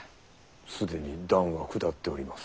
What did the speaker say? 既に断は下っております。